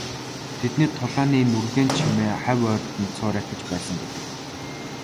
Тэдний тулааны нүргээн чимээ хавь ойрд нь цуурайтаж байсан гэдэг.